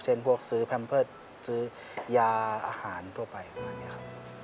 เช่นพวกซื้อแพรมเพิศซื้อยาอาหารทั่วไปครับ